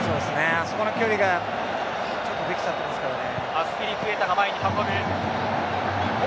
あそこの距離がちょっとできちゃってますよね。